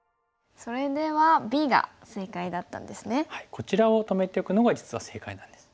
こちらを止めておくのが実は正解なんです。